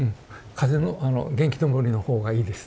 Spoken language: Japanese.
風のあの元気のぼりの方がいいです。